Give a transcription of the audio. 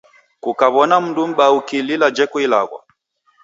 Kukawona mndu mbaa ukilila jeko ilagho.